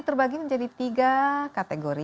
terbagi menjadi tiga kategori